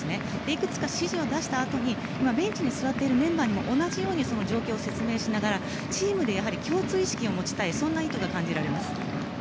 いくつか指示を出したあとにベンチに座っているメンバーにも同じように状況を説明しながらチームで共通意識を持ちたいそんな意図が感じられます。